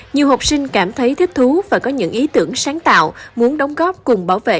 nhiều học sinh cảm thấy thích thú và có những ý tưởng sáng tạo muốn đóng góp cùng bảo vệ